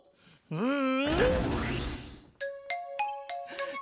うん。